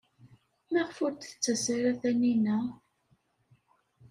Maɣef ur d-tettas ara Taninna?